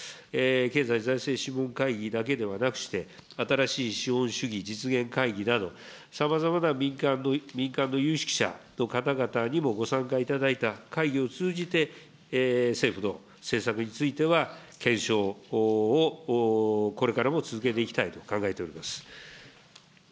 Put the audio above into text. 経済財政諮問会議だけではなくして、新しい資本主義実現会議など、さまざまな民間の有識者の方々にもご参加いただいた会議を通じて、政府の政策については、検証をこれからも続けていきたいと考えております。